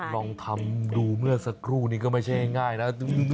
ลองทำดูเมื่อสักครู่นี้ก็ไม่ใช่ง่ายนะ